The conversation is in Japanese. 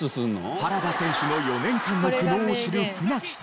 原田選手の４年間の苦悩を知る船木選手。